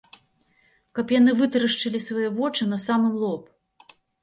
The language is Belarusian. Каб яны вытарашчылі свае вочы на самы лоб!